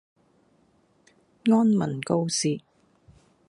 安民告示